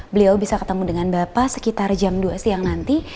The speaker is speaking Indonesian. beliau bisa ketemu dengan bapak sekitar jam dua siang nanti